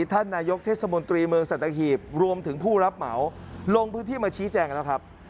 ท่านนายกเทศมนตรีเมืองสัตหีบรวมถึงผู้รับเหมาลงพื้นที่มาชี้แจงแล้วครับ